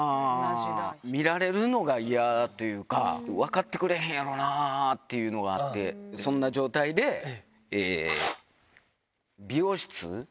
見られるのが嫌というか、分かってくれへんやろうなっていうのがあって、そんな状態で、美容室。